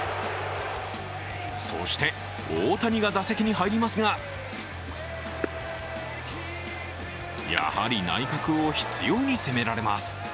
そして大谷が打席に入りますがやはり内角を執ように攻められます。